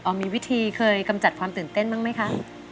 มีวิธีเคยกำจัดความตื่นเต้นบ้างไหมคะ